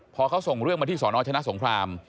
พอเขาส่งเรื่องมาที่สนชนะสงคราม